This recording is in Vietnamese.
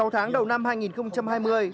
sáu tháng đầu năm hai nghìn hai mươi